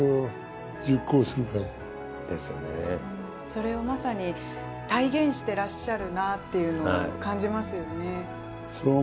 それをまさに体現してらっしゃるなっていうのを感じますよね。